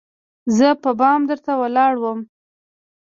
زه په بام درته ولاړه وم